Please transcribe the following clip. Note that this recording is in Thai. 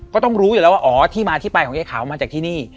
ก็ต้องรู้อยู่แล้วว่าอ๋อที่มาที่ไปของยายขาวมาจากที่นี่